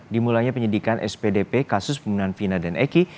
dimulainya penyidikan spdp kasus pembunuhan vina dan eki